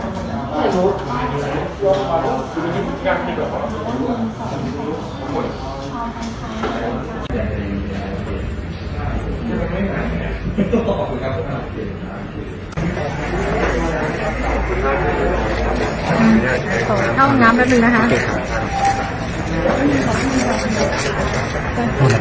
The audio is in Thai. เท่าไหร่ใช่ขายของเราที่สุดท้าย